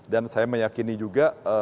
dan saya meyakini juga